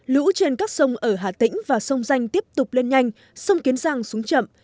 lũ trên các sông ở hà tĩnh và sông danh tiếp tục lên nhanh sông kiến giang xuống chậm